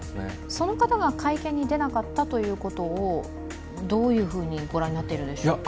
その方が会見に出なかったということをどういうふうにご覧になっているんでしょう？